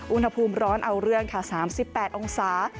อุณหภูมิร้อนเอาเรื่องค่ะ๓๘องศา